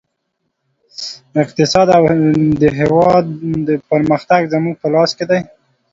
اقتصاد او د هېواد پرمختګ زموږ په لاس کې دی